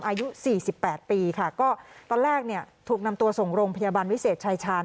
อายุสี่สิบแปดปีค่ะก็ตอนแรกเนี่ยถูกนำตัวส่งโรงพยาบาลวิเศษชายชาญ